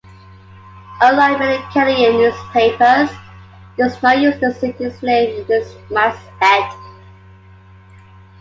Unlike many Canadian newspapers, it does not use the city's name in its masthead.